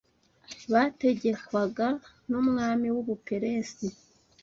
Bategekwaga n’umwami w’u Buperesi